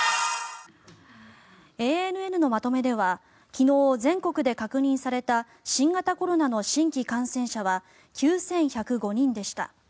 ＡＮＮのまとめでは昨日、全国で確認された新型コロナの新規感染者は９１０５人でした。